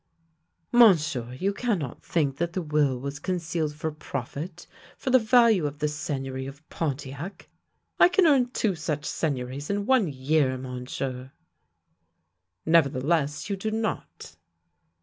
" Monsieur, you cannot think that the will was con cealed for profit, for the value of the Seigneury of Pon tiac! I can earn two such seigneuries in one year, Monsieur." " Nevertheless you do not."